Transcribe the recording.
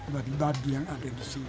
babi babi yang ada di sini